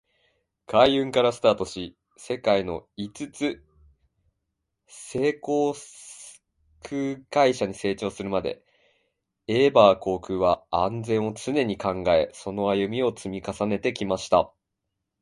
海運からスタートし、世界の五つ星航空会社に成長するまで、エバー航空は「安全」を常に考え、その歩みを積み重ねてきました。